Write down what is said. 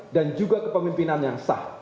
dan juga kepemimpinan yang sah